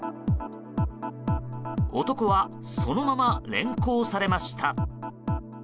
男は、そのまま連行されました。